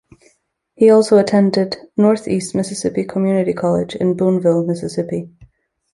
He also attended Northeast Mississippi Community College in Booneville, Mississippi.